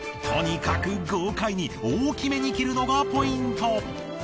とにかく豪快に大きめに切るのがポイント。